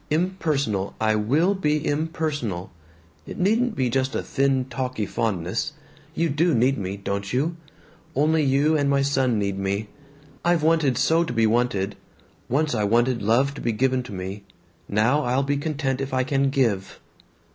Impersonal I will be impersonal! It needn't be just a thin talky fondness. You do need me, don't you? Only you and my son need me. I've wanted so to be wanted! Once I wanted love to be given to me. Now I'll be content if I can give.